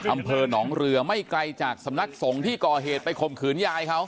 อำเภอหนองเรือไม่ไกลจากสำนักสงฆ์ที่ก่อเหตุไปข่มขืนยายเขา